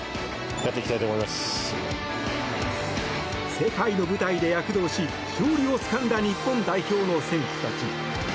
世界の舞台で躍動し勝利をつかんだ日本代表の選手たち。